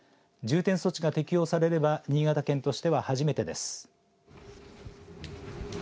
重点措置が適用されれば新潟県としては初めてです。